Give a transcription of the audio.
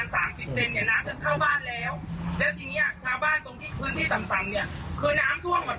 ทุกตั้งเก็บของเลยค่ะรายงานจากช่วงหกสิบเก้าน้องบาท